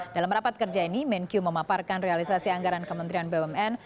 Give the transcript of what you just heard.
dalam rapat kerja ini menkyu memaparkan realisasi anggaran kementerian bumn